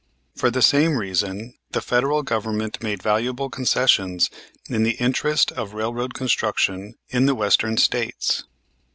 For the same reason the Federal Government made valuable concessions in the interest of railroad construction in the Western States.